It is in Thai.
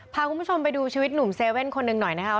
พาคุณผู้ชมไปดูชีวิตหนุ่มเซเว่นคนหนึ่งหน่อยนะครับ